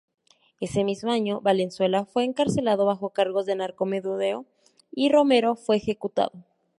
Ese mismo año, Valenzuela fue encarcelado bajó cargos de narco-menudeo y Romero fue ejecutado.